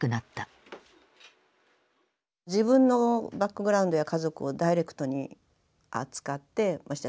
自分のバックグラウンドや家族をダイレクトに扱ってましてや